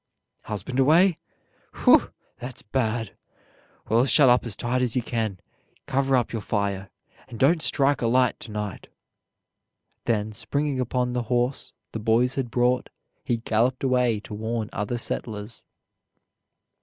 "Husband away? Whew! that's bad! Well, shut up as tight as you can. Cover up your fire, and don't strike a light to night." Then springing upon the horse the boys had brought, he galloped away to warn other settlers.